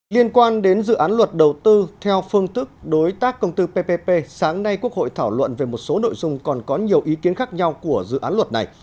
liên quan đến dự án luật đầu tư theo phương tức đối tác công tư ppp sáng nay quốc hội thảo luận về một số nội dung còn có nhiều ý kiến khác nhau của dự án luật này